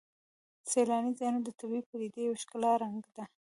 سیلاني ځایونه د طبیعي پدیدو یو ښکلی رنګ دی.